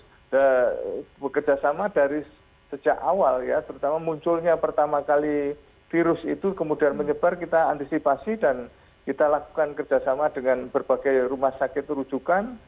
kita bekerjasama dari sejak awal ya terutama munculnya pertama kali virus itu kemudian menyebar kita antisipasi dan kita lakukan kerjasama dengan berbagai rumah sakit terujukan